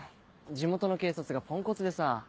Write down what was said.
地元の警察がポンコツでさぁ。